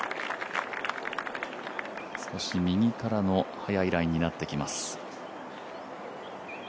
少し右からの速いラインになってきます。